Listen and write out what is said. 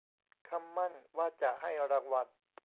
คำมั่นว่าจะให้รางวัล